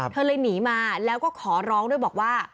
เธอเลยหนีมาแล้วก็ขอร้องด้วยบอกว่า